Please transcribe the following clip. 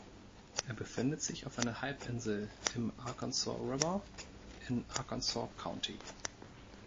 Er befindet sich auf einer Halbinsel im Arkansas River in Arkansas County.